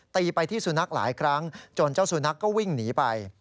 ตีไปที่สุนัขหลายครั้งจนเจ้าสุนัขก็วิ่งหนีไป